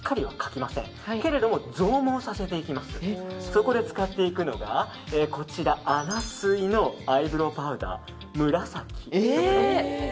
そこで使っていくのがアナスイのアイブローパウダー紫？